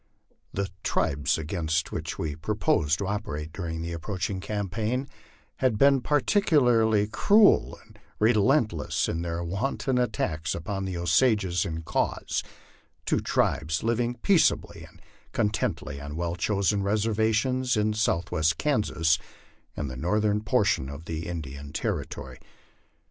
The tribes against which we proposed to operate during the approaching campaign had been particularly cruel and relentless in their wanton attacks upon the Osages and Raws, two tribes living peaceably and contentedly on well chosen reservations in southwestern Kansas and the northern portion of the Indian Territory.